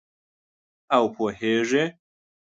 او پوهیږې